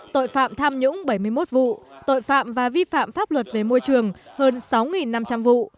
tội phạm tham nhũng bảy mươi một vụ tội phạm và vi phạm pháp luật về môi trường hơn sáu năm trăm linh vụ